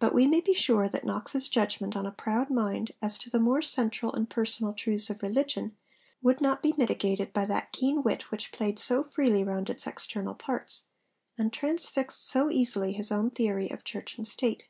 But we may be sure that Knox's judgment on a 'proud mind' as to the more central and personal truths of religion, would not be mitigated by that keen 'wit' which played so freely round its external parts, and transfixed so easily his own theory of Church and State.